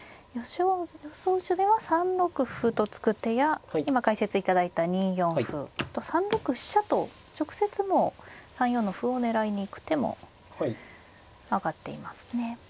予想手では３六歩と突く手や今解説いただいた２四歩あと３六飛車と直接もう３四の歩を狙いに行く手も挙がっていますね。